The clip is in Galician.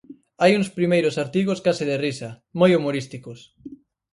Hai uns primeiros artigos case de risa, moi humorísticos.